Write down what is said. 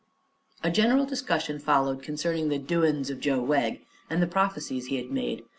A general discussion followed concerning the "doin's of Joe Wegg" and the prophecies he had made.